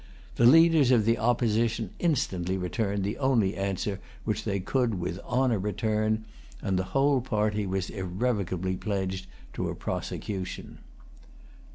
The leaders of the Opposition instantly returned the only answer which they could with honor return; and the whole party was irrevocably pledged to a prosecution.